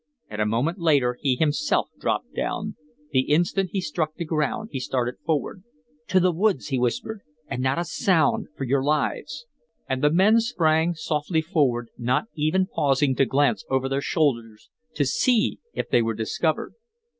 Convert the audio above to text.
And a moment later he himself dropped down; the instant he struck the ground he started forward. "To the woods!" he whispered. "And not a sound, for your lives." And the men sprang softly forward, not even pausing to glance over their shoulders to see if they were discovered.